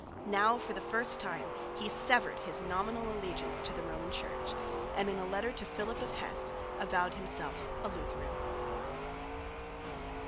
Now for the first time he severed his nominal allegiance to the Roman Church, and in a letter to Philip of Hesse avowed himself a Lutheran.